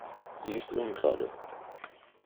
Sie ist ungerade.